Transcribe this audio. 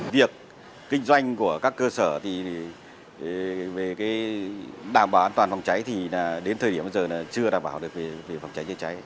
việc kinh doanh của các cơ sở về đảm bảo an toàn phòng cháy thì đến thời điểm bây giờ là chưa đảm bảo được về phòng cháy chữa cháy